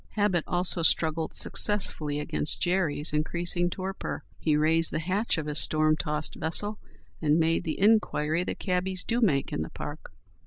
Habit also struggled successfully against Jerry's increasing torpor. He raised the hatch of his storm tossed vessel and made the inquiry that cabbies do make in the park.